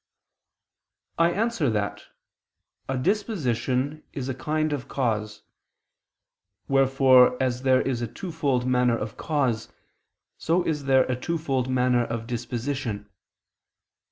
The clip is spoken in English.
I answer that, A disposition is a kind of cause; wherefore as there is a twofold manner of cause, so is there a twofold manner of disposition.